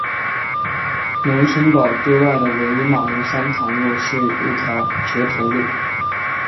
龙成堡对外的唯一马路山塘路是一条掘头路。